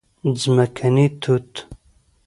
🍓ځمکني توت